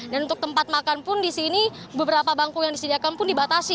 dan untuk tempat makan pun di sini beberapa panggung yang disediakan pun dibatasi